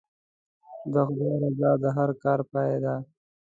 د خدای رضا د هر کار پای دی.